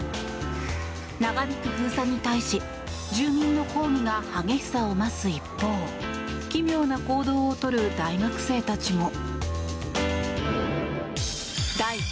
長引く封鎖に対し住民の抗議が激しさを増す一方奇妙な行動をとる大学生たちも。